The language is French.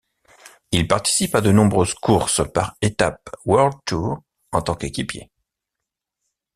Il participe à de nombreuses courses par étapes World Tour en tant qu'équipier.